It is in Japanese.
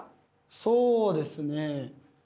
そうですね。